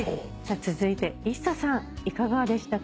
続いてＩＳＳＡさんいかがでしたか？